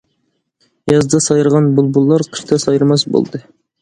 يازدا سايرىغان بۇلبۇللار، قىشتا سايرىماس بولدى.